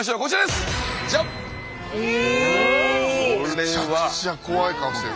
めちゃくちゃ怖い顔してる。